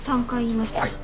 ３回言いました。